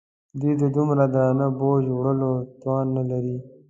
دوی د دومره درانه بوج وړلو توان نه لري.